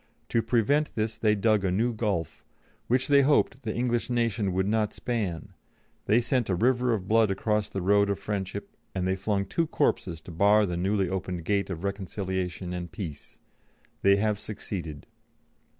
To prevent this they dug a new gulf, which they hoped the English nation would not span; they sent a river of blood across the road of friendship, and they flung two corpses to bar the newly opened gate of reconciliation and peace. They have succeeded."